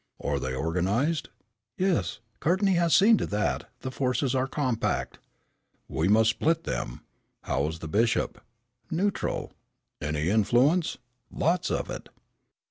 "Are they organized?" "Yes, Courtney has seen to that, the forces are compact." "We must split them. How is the bishop?" "Neutral." "Any influence?" "Lots of it."